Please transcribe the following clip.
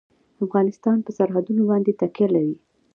افغانستان په سرحدونه باندې تکیه لري.